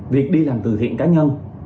việc đi làm từ thiện cá nhân